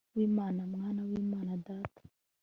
w'imana mwana w'imana data